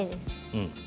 うん。